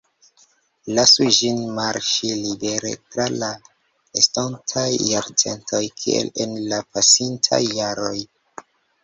Lasu ĝin marŝi libere tra la estontaj jarcentoj, kiel en la pasintaj jaroj.